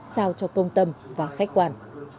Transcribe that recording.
sao cho công tâm và khách quan